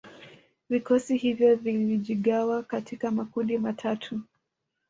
Vikosi hivyo vilijigawa katika makundi matatu